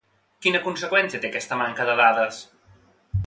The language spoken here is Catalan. Quina conseqüència té aquesta manca de dades?